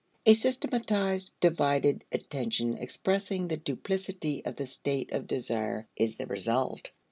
A systematized divided attention expressing the duplicity of the state of desire is the result.